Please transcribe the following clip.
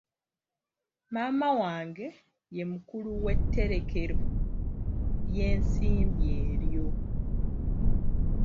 Maama wange ye mukulu w'etterekero ly'ensimbi eryo.